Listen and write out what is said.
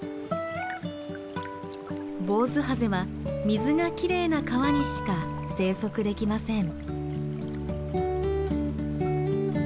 ボウズハゼは水がきれいな川にしか生息できません。